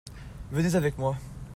Venez avec moi !